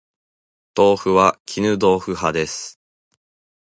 豆腐は絹豆腐派です